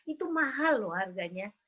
itu mahal loh harganya